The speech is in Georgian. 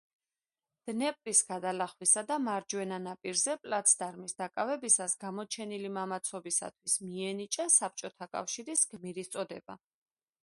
დნეპრის გადალახვისა და მარჯვენა ნაპირზე პლაცდარმის დაკავებისას გამოჩენილი მამაცობისათვის მიენიჭა საბჭოთა კავშირის გმირის წოდება.